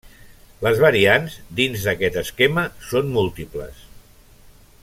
Les variants, dins d'aquest esquema, són múltiples.